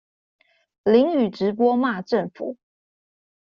淋雨直播罵政府